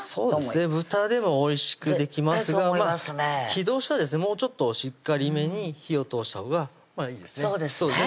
豚でもおいしくできますが絶対そう思いますね火通しはですねもうちょっとしっかりめに火を通したほうがいいですね